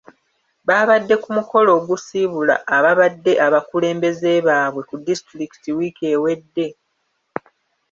Baabadde ku mukolo ogusiibula ababadde abakulembeze baabwe ku disitulikiti wiiki ewedde